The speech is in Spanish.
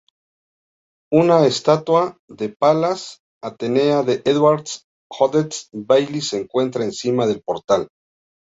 Una estatua de Palas Atenea de Edward Hodges Baily se encuentra encima del portal.